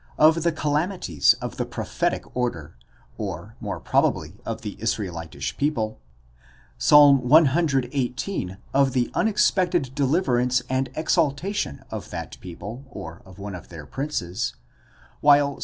of the calamities of the prophetic order, or more probably of the Israelitish people ;* Ps. cxvili. of the un expected deliverance and exaltation of that people, or of one of their princes ;® while Ps.